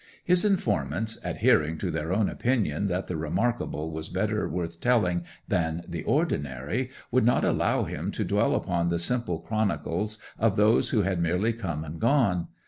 His informants, adhering to their own opinion that the remarkable was better worth telling than the ordinary, would not allow him to dwell upon the simple chronicles of those who had merely come and gone.